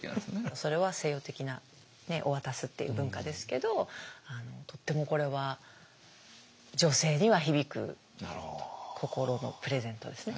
それは西洋的な渡すっていう文化ですけどとってもこれは女性には響く心のプレゼントですね。